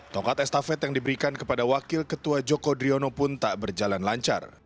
tokat estafet yang diberikan kepada wakil ketua joko driono pun tak berjalan lancar